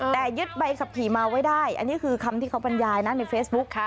แต่ยึดใบขับขี่มาไว้ได้อันนี้คือคำที่เขาบรรยายนะในเฟซบุ๊ก